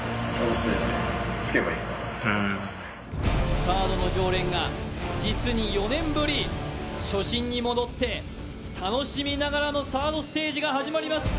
サードの常連が実に４年ぶり初心に戻って楽しみながらのサードステージが始まります。